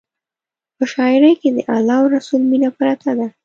په شاعرۍ کې د الله او رسول مینه پرته ده.